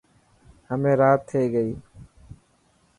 همي رات ٿي گئي.